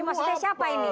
ini maksudnya siapa ini